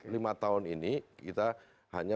lima tahun ini kita hanya